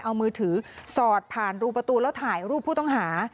เอามือถือสอดผ่านรูประตูแล้วถ่ายรูปผู้ต้องหา